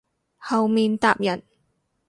後面搭人